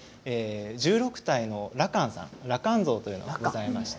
１６体の羅漢さん羅漢像というのがございまして。